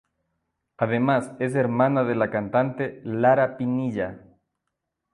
Además es hermana de la cantante Lara Pinilla.